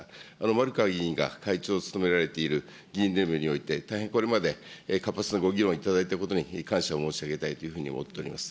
丸川議員が会長を務められている議員連盟において大変これまで活発なご議論をいただいていることに感謝を申し上げたいというふうに思っております。